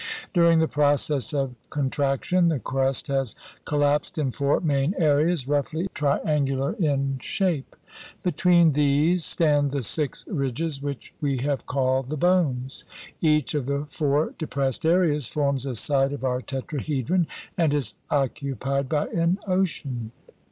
Dur ing the process of contraction the crust has col lapsed in four main areas, roughly triangular in 36 THE FORM OF THE CONTINENT 37 shape. Between these stand the six ridges which we have called the bones. Each of the four de pressed areas forms a side of our tetrahedron and is occupied by an ocean.